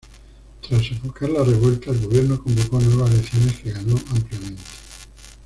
Tras sofocar la revuelta, el Gobierno convocó nuevas elecciones, que ganó ampliamente.